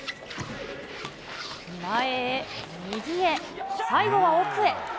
前へ、右へ、最後は奥へ。